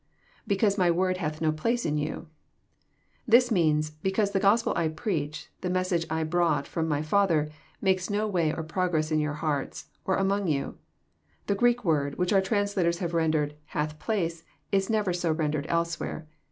[Because my word hath no place in you,'] This means, *' Because the Gospel I preach, the message I bronght flrom my Father, makes no way or progress in your hearts, or among you/' — ^The Greek word, which our translators have rendered hath place," is never so rendered elsewhere.